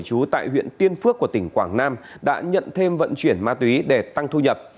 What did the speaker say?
chú tại huyện tiên phước của tỉnh quảng nam đã nhận thêm vận chuyển ma túy để tăng thu nhập